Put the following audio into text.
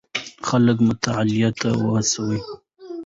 خلک مطالعې ته وهڅوئ.